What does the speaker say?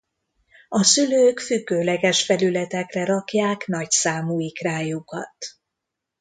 A szülők függőleges felületekre rakják nagyszámú ikrájukat.